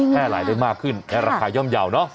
แค่ไหลได้มากขึ้นและราคาย่อมเยาว์เนอะ